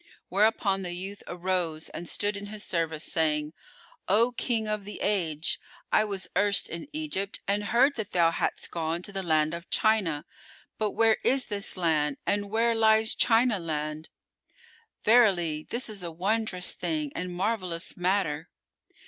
Whereupon the youth arose and stood in his service, saying, "O King of the Age, I was erst in Egypt and heard that thou hadst gone to the land of China; but where is this land and where lies China land?[FN#410] Verily, this is a wondrous thing and marvellous matter!"